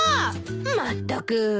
まったく。